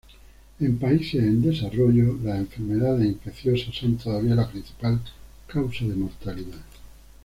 En países en desarrollo, las enfermedades infecciosas son todavía la principal causa de mortalidad.